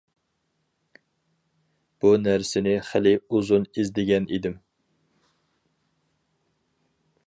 بۇ نەرسىنى خېلى ئۇزۇن ئىزدىگەن ئىدىم.